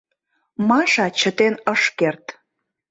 — Маша чытен ыш керт.